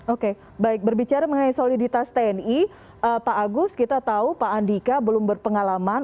oke baik berbicara mengenai soliditas tni pak agus kita tahu pak andika belum berpengalaman